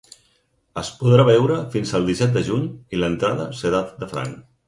Es podrà veure fins al disset de juny i l’entrada serà de franc.